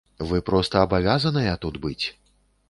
Вы проста абавязаныя тут быць!